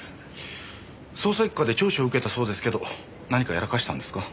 捜査一課で聴取を受けたそうですけど何かやらかしたんですか？